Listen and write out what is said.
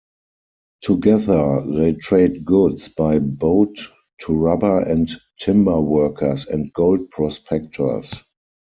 Together, they trade goods by boat to rubber and timber workers and gold prospectors.